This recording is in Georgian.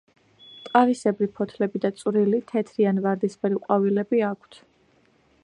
ტყავისებრი ფოთლები და წვრილი, თეთრი ან ვარდისფერი ყვავილები აქვთ.